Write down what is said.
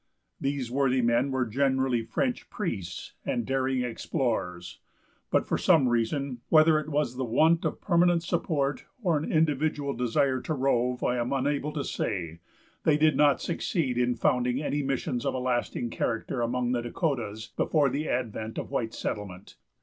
These worthy men were generally French priests and daring explorers, but for some reason, whether it was want of permanent support or an individual desire to rove, I am unable to say, they did not succeed in founding any missions of a lasting character among the Dakotas before the advent of white settlement.